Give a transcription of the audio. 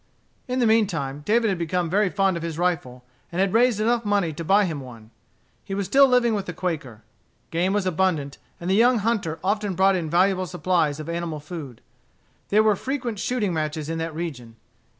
In the mean time David had become very fond of his rifle, and had raised enough money to buy him one. He was still living with the Quaker. Game was abundant, and the young hunter often brought in valuable supplies of animal food. There were frequent shooting matches in that region.